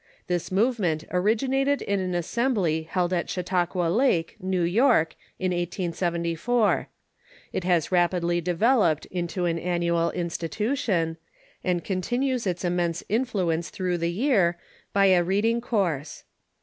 This movement originated in an assembly held at ^''wi.veS"^ Chautauqua Lake, New York, in 1874. It has rapidly developed into an annual institution, and continues its immense influence through the year b}^ a read ing course.